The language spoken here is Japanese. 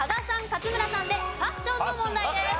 勝村さんでファッションの問題です。